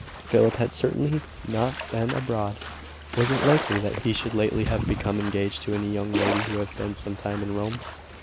Philip had certainly not been abroad. Was it likely that he should lately have become engaged to any young lady who had been some time in Rome?